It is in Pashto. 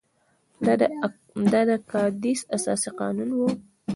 دا د کادیس اساسي قانون وو.